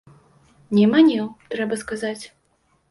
Не маніў, трэба сказаць.